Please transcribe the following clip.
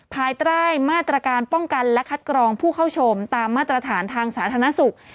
ภายใต้มาตรการป้องกันและคัดกรองผู้เข้าชมตามมาตรฐานทางสาธารณสุข